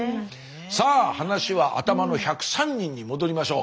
さあ話は頭の１０３人に戻りましょう。